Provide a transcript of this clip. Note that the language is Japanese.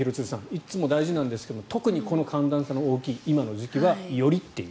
いつも大事なんですけど特にこの寒暖差の大きい今の時期は、よりという。